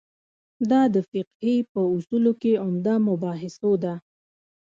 دا د فقهې په اصولو کې عمده مباحثو ده.